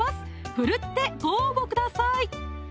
奮ってご応募ください